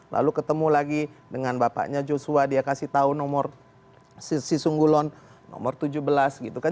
lalu ketemu lagi dengan bapaknya joshua dia kasih tahu nomor sisi sunggulon nomor tujuh belas gitu kan